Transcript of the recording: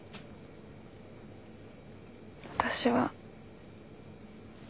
私は。